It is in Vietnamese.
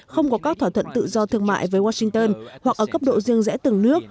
không có các thỏa thuận tự do thương mại với washington hoặc ở cấp độ riêng rẽ từng nước